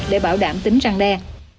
để bảo đảm tính răng đen